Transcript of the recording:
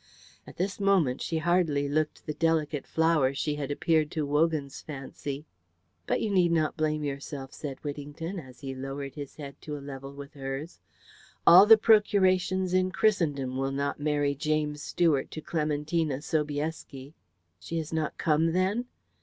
At this moment she hardly looked the delicate flower she had appeared to Wogan's fancy. "But you need not blame yourself," said Whittington, and he lowered his head to a level with hers. "All the procurations in Christendom will not marry James Stuart to Clementina Sobieski." "She has not come, then?"